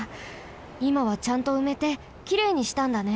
いまはちゃんとうめてきれいにしたんだね。